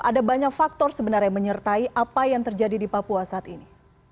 ada banyak faktor sebenarnya menyertai apa yang terjadi di papua saat ini